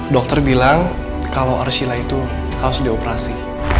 dokter bilang kalau arsila itu harus dioperasi